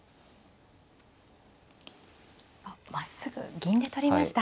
まっすぐ銀で取りました。